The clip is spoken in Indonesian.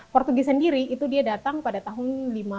portugi sendiri itu dia datang pada tahun seribu lima ratus